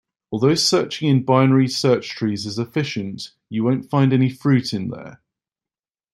Although searching in binary search trees is efficient, you won't find any fruit in there.